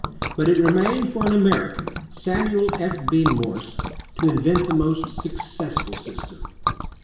But it remained for an American, Samuel F. B. Morse, to invent the most successful system.